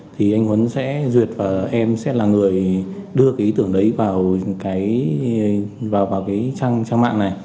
thì anh huấn sẽ duyệt và em sẽ là người đưa cái ý tưởng đấy vào cái trang trang mạng này